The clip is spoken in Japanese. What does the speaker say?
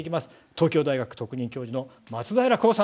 東京大学特任教授の松平浩さんです。